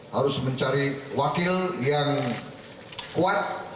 harus mencari wakil yang kuat